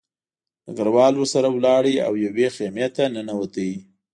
ډګروال ورسره لاړ او یوې خیمې ته ننوت